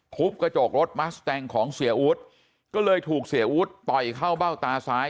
ทุบกระจกรถมัสแตงของเสียอู๊ดก็เลยถูกเสียอู๊ดต่อยเข้าเบ้าตาซ้าย